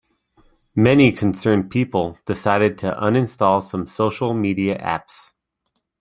Many concerned people decided to uninstall some social media apps.